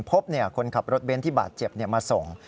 พบคนขับรถเบนที่บาดเจ็บเค้าส่ง